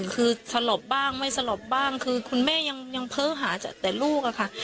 คือสลบบ้างไม่สลบบ้างคือคุณแม่ยังเพ้อหาแต่ลูกอะค่ะ